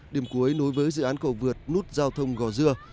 điểm cuối đối với dự án cầu vượt nút giao thông gò dưa